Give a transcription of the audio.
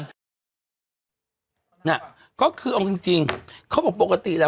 น่ะก็คือเอาจริงจริงเขาบอกปกติแล้ว